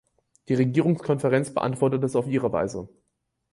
Die Regierungskonferenz beantwortet es auf ihre Weise.